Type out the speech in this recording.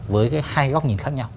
với hai góc nhìn khác nhau